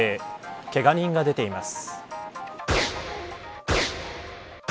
けが人が出ています。